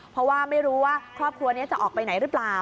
เพราะว่าไม่รู้ว่าครอบครัวนี้จะออกไปไหนหรือเปล่า